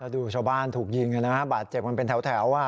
ดูชาวบ้านถูกยิงบาดเจ็บมันเป็นแถว